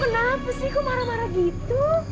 kamu kenapa sih kok marah marah gitu